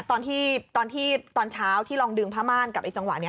ตอนที่ตอนเช้าที่ลองดึงผ้าม่านกับไอจังหวะนี้